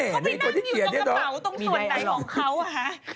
เขาไปนั่งอยู่ตรงกระเป๋าตรงส่วนไหนของเขาอ่ะฮะมีอะไรอร่อย